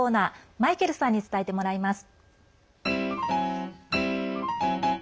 マイケルさんに伝えてもらいます。